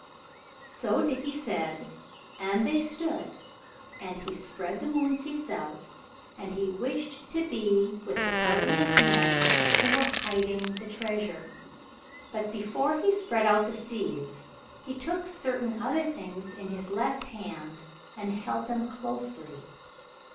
So Dickie said, and they stood, and he spread the moon seeds out, and he wished to be with the party of men who were hiding the treasure. But before he spread out the seeds he took certain other things in his left hand and held them closely.